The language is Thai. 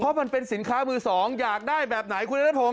เพราะมันเป็นสินค้ามือสองอยากได้แบบไหนคุณนัทพงศ